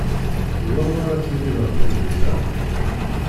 D wanwa ara temlileḍ tameddit-a?